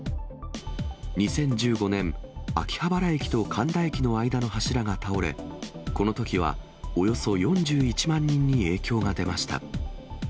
２０１５年、秋葉原駅と神田駅の間の柱が倒れ、このときはおよそ４１万人に影響が出ました。